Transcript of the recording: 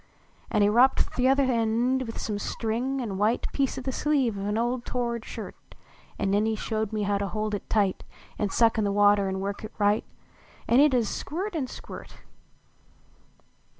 An he wropt th uther end with some string an white Piece o the sleeve of a old tored shirt ; An nen he showed me to hold it tight, An suck in the water an work it right An it ud ist squirt an squirt